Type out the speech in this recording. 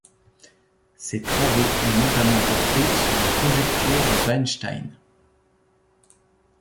Ses travaux ont notamment porté sur la conjecture de Weinstein.